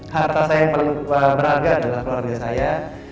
harta saya yang paling berharga adalah keluarga saya